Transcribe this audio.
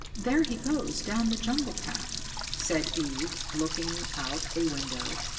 "There he goes down the jungle path," said Eve, looking out a window.